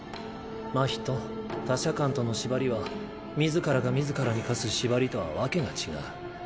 真人他者間との縛りは自らが自らに科す縛りとは訳が違う。